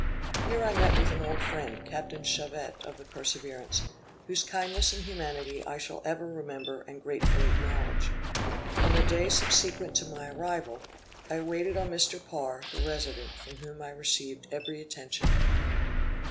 Here I met with an old friend, Captain Chauvet of the Perseverance, whose kindness and humanity I shall ever remember and gratefully acknowledge. On the day subsequent to my arrival, I waited on Mr. Parr the resident, from whom I received every attention.